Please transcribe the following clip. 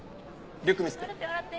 リュック見せて。